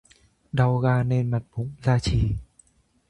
Đau gan nên mặt bủng, da chì